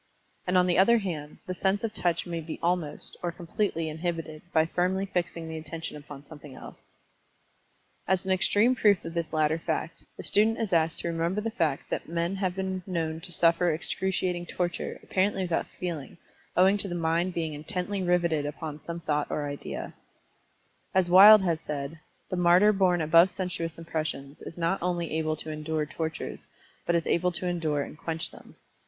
And on the other hand, the sense of touch may be almost, or completely inhibited, by firmly fixing the Attention upon something else. As an extreme proof of this latter fact, the student is asked to remember the fact that men have been known to suffer excruciating torture, apparently without feeling, owing to the mind being intently riveted upon some idea or thought. As Wyld has said, "The martyr borne above sensuous impressions, is not only able to endure tortures, but is able to endure and quench them.